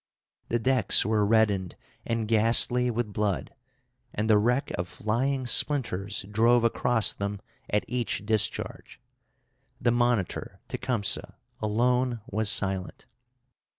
The decks were reddened and ghastly with blood, and the wreck of flying splinters drove across them at each discharge. The monitor Tecumseh alone was silent.